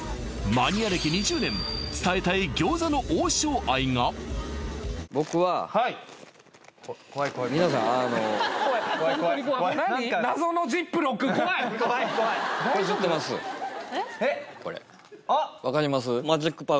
マニア歴２０年伝えたい餃子の王将愛が僕は怖い怖い怖い皆さんあの怖い怖いこれわかります？